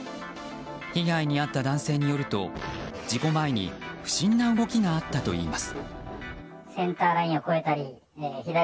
被害に遭った男性によると事故前に不審な動きがあったといいます。